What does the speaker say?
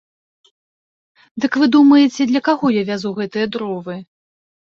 Дык вы думаеце, для каго я вязу гэтыя дровы?